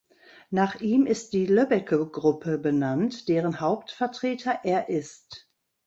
Nach ihm ist die Loebbecke-Gruppe benannt, deren Hauptvertreter er ist.